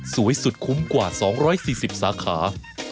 สวยสุดคุ้มกว่า๒๔๐สาขา